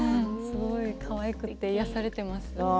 すごくかわいくて癒やされています。